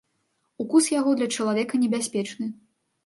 Укус яго для чалавека небяспечны.